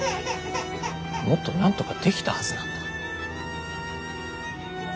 もっとなんとかできたはずなんだ。